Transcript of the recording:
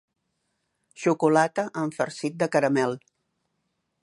Xocolata amb farcit de caramel.